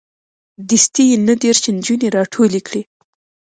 دستې یې نه دېرش نجونې راټولې کړې.